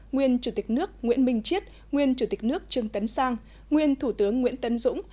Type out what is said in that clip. nguyên chủ tịch nước nguyễn minh chiết nguyên chủ tịch nước trương tấn sang nguyên thủ tướng nguyễn tấn dũng